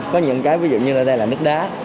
có những cái ví dụ như ở đây là nước đá